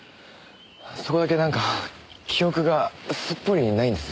そこだけなんか記憶がすっぽりないんです。